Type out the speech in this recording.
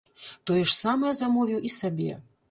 Тое ж самае замовіў і сабе.